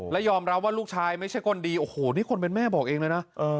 และยอมรับว่าลูกชายไม่ใช่คนดีโอ้โหนี่คนเป็นแม่บอกเองเลยนะ